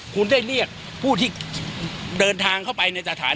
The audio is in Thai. คุณได้เรียกผู้ที่เดินทางเข้าไปในสถาน